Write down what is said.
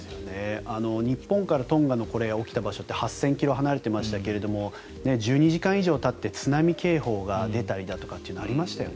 日本からトンガの起きた場所って８０００ｋｍ離れていましたが１２時間以上たって津波警報が出たりとかありましたよね。